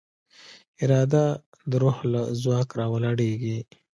اراده د روح له ځواک راولاړېږي.